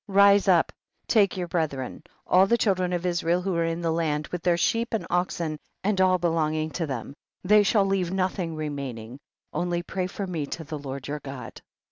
Rise up and take your bre thren, all the children of Israel who are in the land, with their sheep and oxen, and all belonging to them, they shall leave nothing remaining, only pray for me to the Lord your God.